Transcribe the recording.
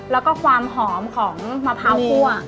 แล้วก็ความหอมของมะพร้าวคั่ว